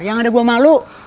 yang ada gua malu